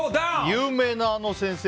有名なあの先生？